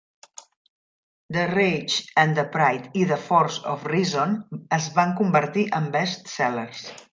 "The Rage and the Pride" i "The Force of Reason" es van convertir en best-sellers.